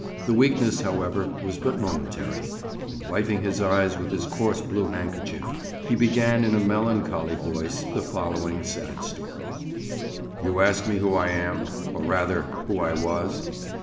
The weakness, however, was but momentary, and wiping his eyes with his coarse blue handkerchief, he began in a melancholy voice the following sad story:— "You ask me who I am, or rather who I was.